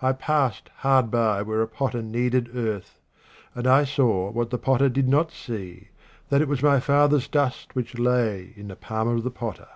I passed hard by where a potter kneaded earth, and I saw what the potter did not see, that it was my father's dust which lay in the palm of the potter.